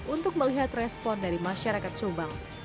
untuk melihat respon dari masyarakat subang